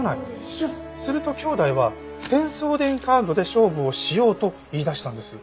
すると兄弟は『テンソーデン』カードで勝負をしようと言い出したんです。